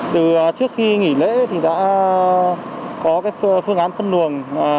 từ trước khi nghỉ lễ thì đã có phương án phân luồng